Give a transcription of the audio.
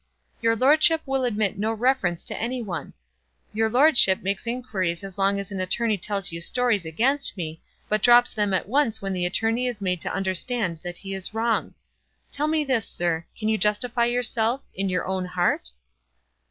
Your lordship will admit no reference to any one! Your lordship makes inquiries as long as an attorney tells you stories against me, but drops them at once when the attorney is made to understand that he is wrong. Tell me this, sir. Can you justify yourself, in your own heart?"